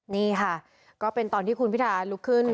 นี่ค่ะก็เป็นตอนที่คุณพิธาลุกขึ้น